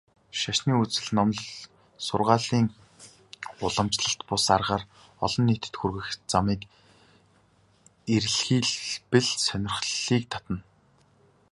Шашны үзэл номлол, сургаалыг уламжлалт бус аргаар олон нийтэд хүргэх замыг эрэлхийлбэл сонирхлыг татна.